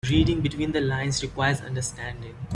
Reading between the lines requires understanding.